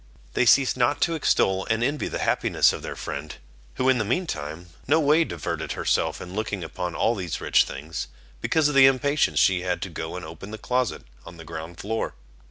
They ceased not to extol and envy the happiness of their friend, who in the mean time no way diverted herself in looking upon all these rich things, because of the impatience she had to go and open the closet of the ground floor.